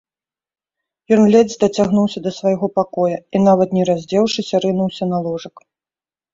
Ён ледзь дацягнуўся да свайго пакоя і, нават не раздзеўшыся, рынуўся на ложак.